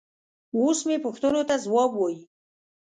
اوس مې پوښتنو ته ځواب وايي.